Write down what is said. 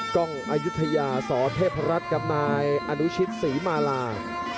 กล้องอายุทยาสเทพรัฐกับนายอนุชิตศรีมาลา